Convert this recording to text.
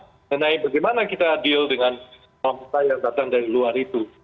mengenai bagaimana kita deal dengan pemerintah yang datang dari luar itu